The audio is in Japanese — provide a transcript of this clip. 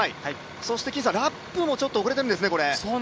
そして、ラップもちょっと遅れているんですね。